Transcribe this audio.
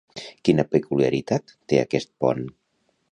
Quina peculiaritat té aquest pont?